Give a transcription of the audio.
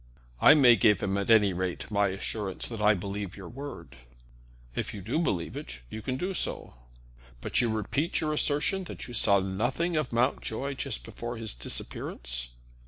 "I may give him, at any rate, my assurance that I believe your word." "If you do believe it, you can do so." "But you repeat your assertion that you saw nothing of Mountjoy just before his disappearance?"